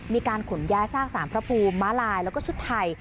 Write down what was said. มีการขนย้ายซากสารพระภูมิม้าลายแล้วก็ชุดไทย